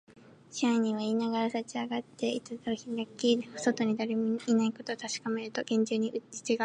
支配人はいいながら、立ちあがって、板戸をひらき、外にだれもいないことをたしかめると、げんじゅうに内がわからかぎをかけるのでした。